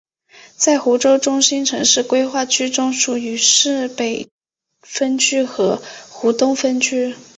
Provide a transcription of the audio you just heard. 在湖州中心城市规划区中属于市北分区和湖东分区。